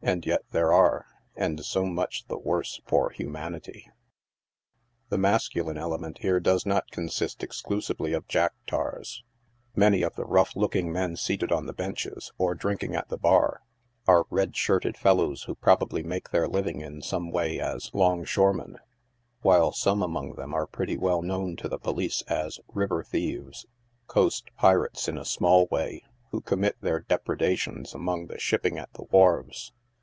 And yet there are — and so much the worse for humanity. The masculine element here does no* consist exclusively of Jack Tars. Many of the rough loo bing men seated on the benches, or drinking at the bar, are red skirted fellows who probably make their living in some way as : longshoemen, while some among them are pretty well known to the police as river thieves — coast pirates in a small way, who commit their depredations among the shipping at the wharves.